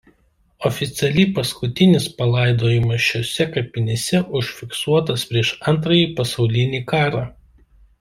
Oficialiai paskutinis palaidojimas šiose kapinėse užfiksuotas prieš Antrąjį pasaulinį karą.